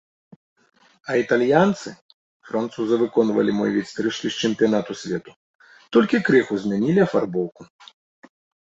А італьянцы, французы выконвалі мой від стрыжкі з чэмпіянату свету, толькі крыху змянілі афарбоўку.